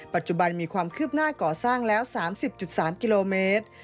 ปัจจุบันมีความคืบหน้าก่อสร้างแล้ว๓๐๓กิโลเมตร